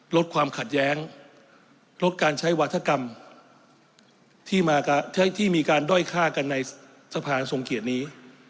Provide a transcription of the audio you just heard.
ลดความขัดแย้งลดการใช้วาธกรรมที่มีการด้อยฆ่ากันในสะพานทรงเกียรตินี้